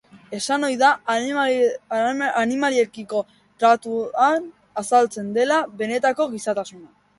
Esan ohi da animaliekiko tratuan azaltzen dela benetako gizatasuna.